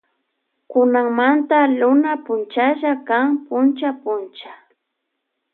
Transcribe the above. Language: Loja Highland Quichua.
Kanmanta Luna punchalla kan punlla punlla.